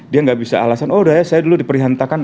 dia nggak bisa alasan oh udah ya saya dulu diperhentakan